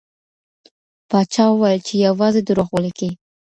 پاچا وویل چي یوازې دروغ ولیکئ.